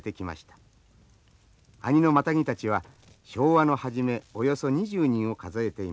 阿仁のマタギたちは昭和の初めおよそ２０人を数えていました。